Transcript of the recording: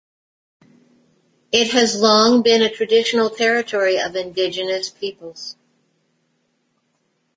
It has long been a traditional territory of indigenous peoples.